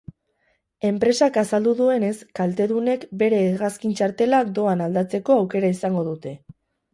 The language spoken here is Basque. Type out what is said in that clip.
Enpresak azaldu duenez, kaltedunek beren hegazkin-txartela doan aldatzeko aukera izango dute.